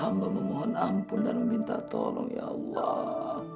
hamba memohon ampun dan meminta tolong ya allah